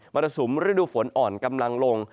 รสุมฤดูฝนอ่อนกำลังลง